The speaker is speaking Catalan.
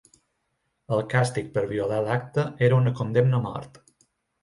El càstig per violar l'acte era una condemna a mort.